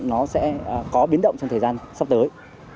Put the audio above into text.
nó sẽ có biến động trong thời gian sắp tới